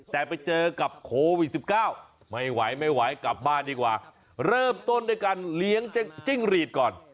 แต่ไปเจอกับโควิด๑๙ไม่ไหวไม่ไหวกลับบ้านดีกว่าเริ่มต้นด้วยการเลี้ยงจิ้งหรีดก่อน